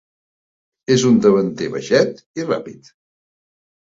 És un davanter baixet i ràpid.